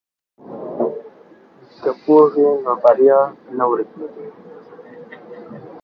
که پوهه وي نو بریا نه ورکیږي.